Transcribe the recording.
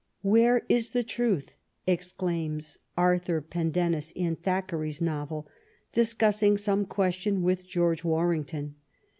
" Where is the truth?" exclaims Arthur Pendennis in Thack eray's novel, discussing some question with George Warrington.